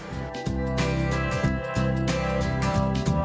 dari kota ke kota